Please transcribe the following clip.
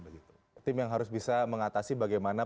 tim yang harus bisa mengatasi bagaimana